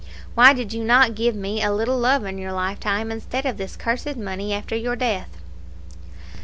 why did you not give me a little love in your lifetime instead of this cursed money after your death?"